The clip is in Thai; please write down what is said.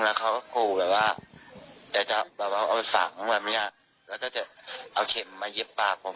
แล้วเขาก็คู่แบบว่าจะเอาไปฝั่งแบบนี้แล้วก็จะเอาเข็มมาเย็บปากผม